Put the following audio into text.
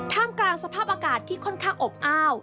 กลางสภาพอากาศที่ค่อนข้างอบอ้าว